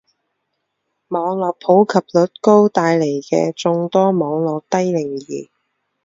网络普及率高带来的众多网络低龄儿